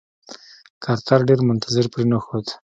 کارتر ډېر منتظر پرې نښود.